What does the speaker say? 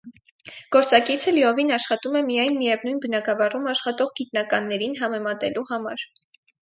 Գործակիցը լիովին աշխատում է միայն միևնույն բնագավառում աշխատող գիտնականներին համեմատելու համար։